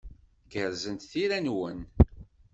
Gerrzent tira-nwen.